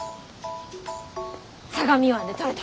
相模湾でとれた。